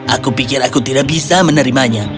aku pikir aku tidak bisa menerimanya